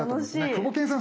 クボケンさん